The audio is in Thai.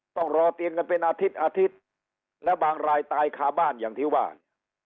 ต้องรอเตียงกันเป็นอาทิตย์อาทิตย์แล้วบางรายตายคาบ้านอย่างที่ว่า